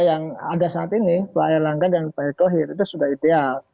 yang ada saat ini pak erlangga dan pak erick thohir itu sudah ideal